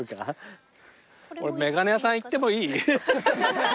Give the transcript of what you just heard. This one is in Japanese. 俺眼鏡屋さん行ってもいい？